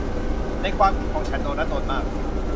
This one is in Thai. ในความคิดของฉันโดนัทโดนมาก